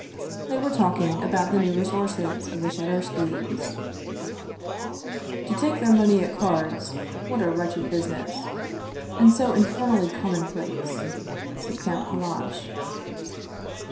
They were talking about the new resources of the Shadurskys. " To take their money at cards what a wretched busi 225 Russian Mystery Stories ness and so infernally commonplace," said Count Kallash.